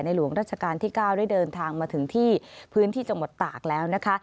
หลวงราชการที่๙ได้เดินทางมาถึงที่พื้นที่จังหวัดตากแล้วนะคะ